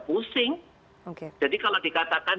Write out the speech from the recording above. pusing jadi kalau dikatakan